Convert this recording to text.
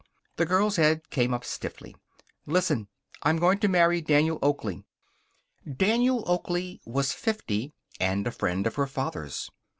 The girl's head came up stiffly. "Listen. I'm going to marry Daniel Oakley." Daniel Oakley was fifty, and a friend of her father's.